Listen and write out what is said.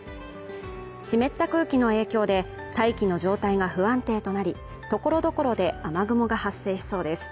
湿った空気の影響で大気の状態が不安定となり、所々で雨雲が発生しそうです。